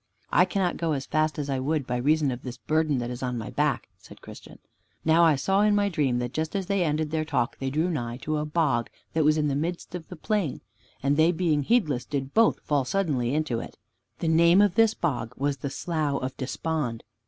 "I cannot go as fast as I would by reason of this burden that is on my back," said Christian. Now I saw in my dream that just as they ended their talk, they drew nigh to a bog that was in the midst of the plain, and they being heedless did both fall suddenly into it. The name of this bog was the Slough of Despond.